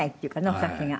お酒が。